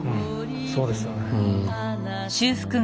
そうですよね。